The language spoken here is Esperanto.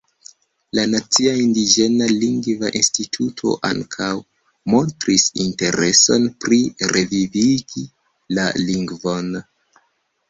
La Nacia Indiĝena Lingva Instituto ankaŭ montris intereson pri revivigi la lingvon.